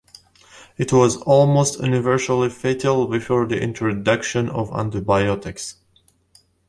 It was almost universally fatal before the introduction of antibiotics.